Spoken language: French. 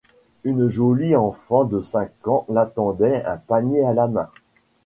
Une jolie enfant de cinq ans l’attendait un panier à la main.